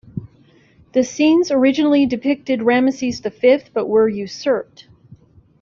The scenes originally depicted Ramesses the Fifth but were usurped.